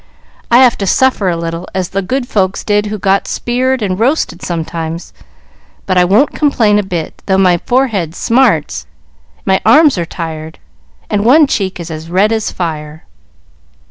I have to suffer a little, as the good folks did who got speared and roasted sometimes; but I won't complain a bit, though my forehead smarts, my arms are tired, and one cheek is as red as fire."